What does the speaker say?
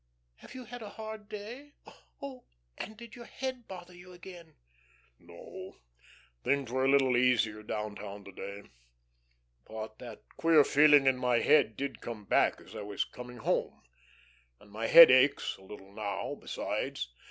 Have you had a hard day? Oh, and did your head bother you again?" "No, things were a little easier down town to day. But that queer feeling in my head did come back as I was coming home and my head aches a little now, besides."